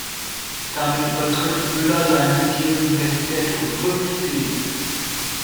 Damit übertrifft Müller seinen bisherigen Bestwert um fünf Zehntel.